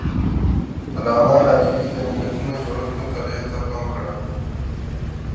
علامه حبيبي د ملتونو د جوړښت مطالعې ته پام کړی دی.